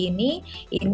ini sangat berimpan